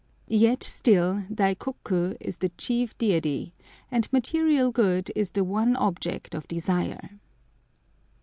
Yet still Daikoku is the chief deity, and material good is the one object of desire.